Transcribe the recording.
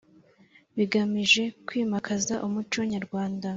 bigamije kwimakaza umuco nyarwanda